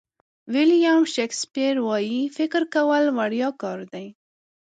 ویلیام شکسپیر وایي فکر کول وړیا کار دی.